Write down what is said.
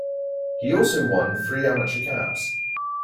He also won three amateur caps.